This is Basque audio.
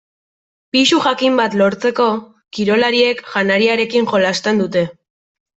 Pisu jakin bat lortzeko kirolariek janariarekin jolasten dute.